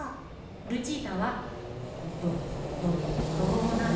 ルチータは「ドドドーナツ」。